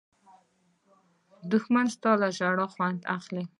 دښمن ستا له ژړا خوند اخلي